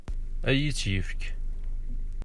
Ad iyi-tt-yefk?